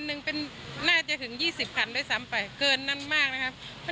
หนึ่งเป็นน่าจะถึง๒๐คันด้วยซ้ำไปเกินนั้นมากนะครับ